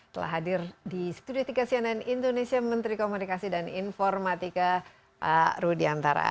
telah hadir di studio tiga cnn indonesia menteri komunikasi dan informatika pak rudiantara